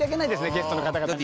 ゲストの方々にはね。